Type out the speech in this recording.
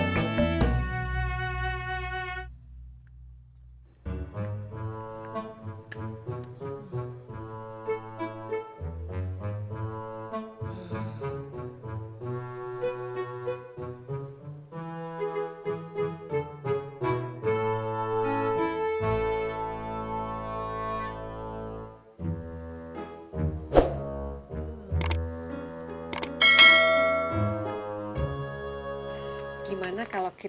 lu sudah baga aja dok